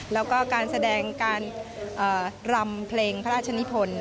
แล้วก็การแสดงการรำเพลงพระราชนิพล